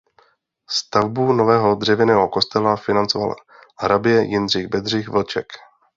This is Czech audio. Stavbu nového dřevěného kostela financoval hraběte Jindřich Bedřich Vlček.